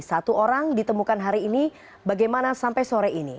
satu orang ditemukan hari ini bagaimana sampai sore ini